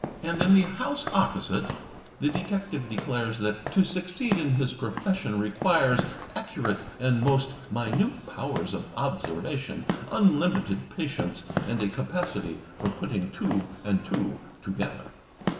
And in "The House Opposite" the detective declares that to succeed in his profession requires, "accurate and most minute powers of observation, unlimited patience, and a capacity for putting two and two together."